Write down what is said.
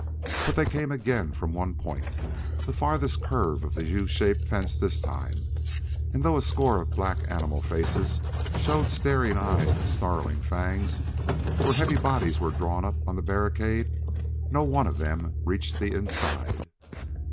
But they came again from one point the farthest curve of the U shaped fence this time and though a score of black animal faces showed staring eyes and snarling fangs where heavy bodies were drawn up on the barricade, no one of them reached the inside.